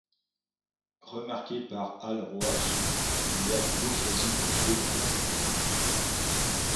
Remarquée par Hal Roach, elle est à nouveau choisie pour jouer dans des courts-métrages.